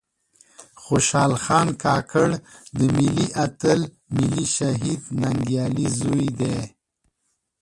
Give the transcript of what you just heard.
خوشال خان کاکړ د ملي آتل ملي شهيد ننګيالي ﺯوې دې